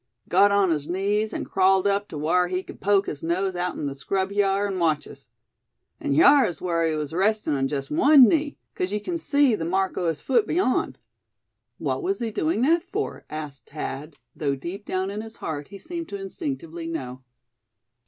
"Got on his knees and crawled up to whar he c'ud poke his nose outen the scrub hyar, an' watch us. And hyar's whar he was arestin' on jest wun knee; cause ye kin see the mark o' his foot beyond." "What was he doing that for?" asked Thad, though deep down in his heart he seemed to instinctively know.